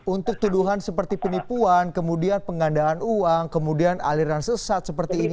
untuk tuduhan seperti penipuan kemudian penggandaan uang kemudian aliran sesat seperti ini